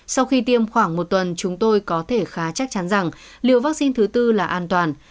sau khi tiêm khoảng một tuần chúng tôi có thể khá chắc chắn rằng liều vaccine thứ tư là an toàn